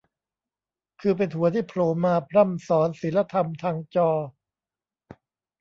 คือเป็นหัวที่โผล่มาพร่ำสอนศีลธรรมทางจอ